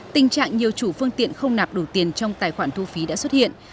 tình trạng nhiều chủ phương tiện không nạp đủ tiền trong tài khoản thu phí đã xuất hiện